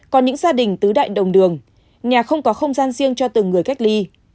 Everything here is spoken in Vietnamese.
còn những gia đình tứ đại đồng đường nhà không có không gian riêng cho từng người cách ly